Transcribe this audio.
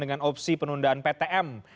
dengan opsi penundaan ptm